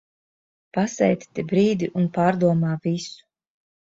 Pasēdi te brīdi un pārdomā visu.